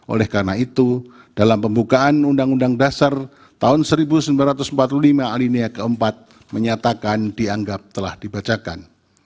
oleh karena itu dalam pembukaan undang undang dasar tahun seribu sembilan ratus empat puluh lima alinia keempat menyatakan dianggap telah dibacakan